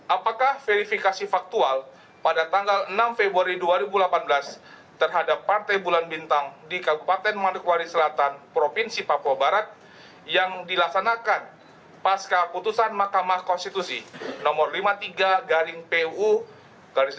dua apakah verifikasi faktual pada tanggal enam februari dua ribu delapan belas terhadap partai bulan bintang di kabupaten manokwari selatan provinsi papua barat yang dilaksanakan pasca putusan mahkamah konstitusi nomor lima puluh tiga garing pu garis datar lima belas garing dua ribu tujuh belas tertanggal sebelas januari dua ribu delapan belas